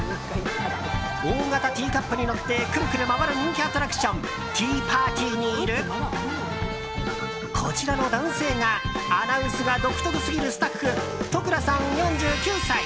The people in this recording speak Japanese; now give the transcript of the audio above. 大型ティーカップに乗ってくるくる回る人気アトラクションティーパーティーにいるこちらの男性がアナウンスが独特すぎるスタッフ土倉さん、４９歳。